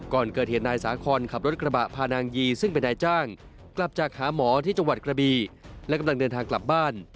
ก่อนเกิดเหตุนายสาคอนขับรถกระบะพานางยีซึ่งเป็นนายจ้างกลับจากหาหมอที่จังหวัดกระบีและกำลังเดินทางกลับบ้าน